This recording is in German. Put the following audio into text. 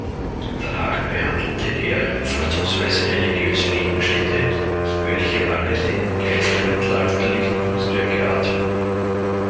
Danach behandelte er vorzugsweise religiöse Gegenstände, welche alle den Geist der mittelalterlichen Kunstwerke atmen.